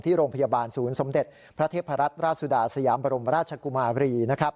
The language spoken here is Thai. โรงพยาบาลศูนย์สมเด็จพระเทพรัตนราชสุดาสยามบรมราชกุมาบรี